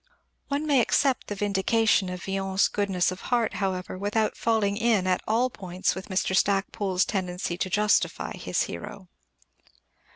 One may accept the vindication of Villon's goodness of heart, however, without falling in at all points with Mr. Stacpoole's tendency to justify his hero.